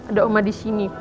ada oma di sini